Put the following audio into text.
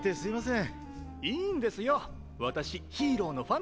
ん！